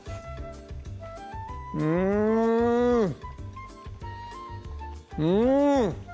うんうん！